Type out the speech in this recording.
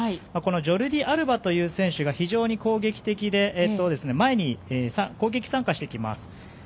ジョルディ・アルバという選手が非常に攻撃的で前に攻撃参加してきます。